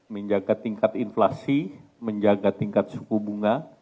menjaga tingkat inflasi menjaga tingkat suku bunga